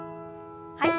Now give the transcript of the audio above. はい。